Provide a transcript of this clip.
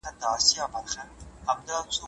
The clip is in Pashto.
اعجاز افق